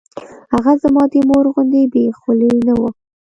هغه زما د مور غوندې بې خولې نه وه.